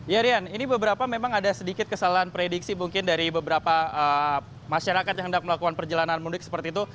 ya rian ini beberapa memang ada sedikit kesalahan prediksi mungkin dari beberapa masyarakat yang hendak melakukan perjalanan mudik seperti itu